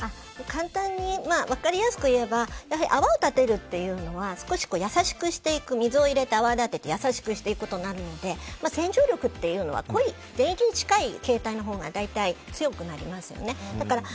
簡単に分かりやすく言うと泡を立てるっていうのは水を入れて泡立てて優しくしていくので洗浄力というのは原液に近いほうが大体強くなりますよね。